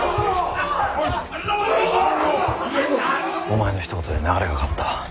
お前のひと言で流れが変わった。